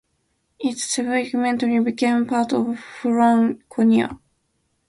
It subsequently became part of Franconia.